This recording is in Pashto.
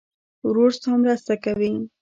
ورور ستا مرسته کوي.